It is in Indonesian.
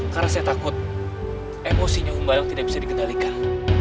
karena saya takut emosinya umbalang tidak bisa dikendalikan